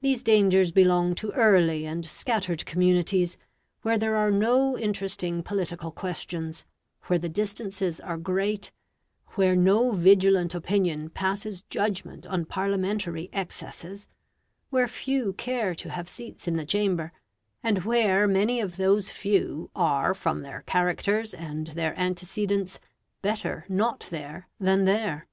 These dangers belong to early and scattered communities, where there are no interesting political questions, where the distances are great, where no vigilant opinion passes judgment on Parliamentary excesses, where few care to have seats in the chamber, and where many of those few are from their characters and their antecedents better not there than there.